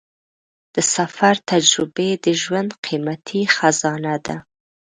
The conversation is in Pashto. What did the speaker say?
د سفر تجربې د ژوند قیمتي خزانه ده.